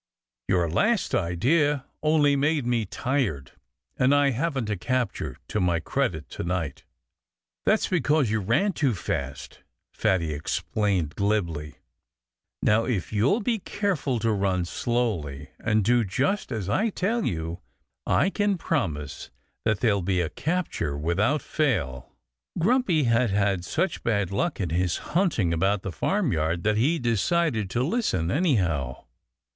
"Your last idea only made me tired; and I haven't a capture to my credit to night." "That's because you ran too fast," Fatty explained glibly. "Now, if you'll be careful to run slowly, and do just as I tell you, I can promise that there'll be a capture, without fail." [Illustration: Grumpy Weasel Visits the Corncrib. (Page 70)] Grumpy had had such bad luck in his hunting about the farmyard that he decided to listen, anyhow.